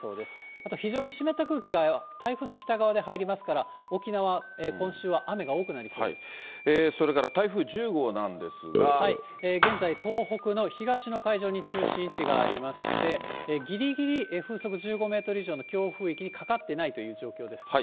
あと非常に湿った空気が台風の北側で入りますから、沖縄、今週はそれから台風１０号なんです現在、東北の東の海上に中心位置がありまして、ぎりぎり風速１５メートル以上の強風域にかかっていないという状況です。